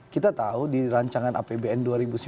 kita tahu di rancangan apbn dua ribu sembilan belas